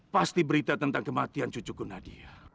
pasti berita tentang kematian cucuku nadia